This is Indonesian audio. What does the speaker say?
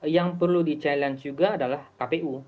yang perlu di challenge juga adalah kpu